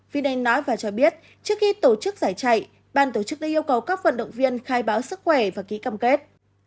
vinan nói và cho biết trước khi tổ chức giải chạy ban tổ chức đã yêu cầu các vận động viên khai báo sức khỏe và ký cam kết